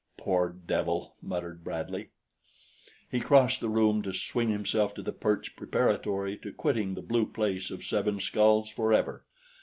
"Poor devil!" muttered Bradley. He crossed the room to swing himself to the perch preparatory to quitting the Blue Place of Seven Skulls forever.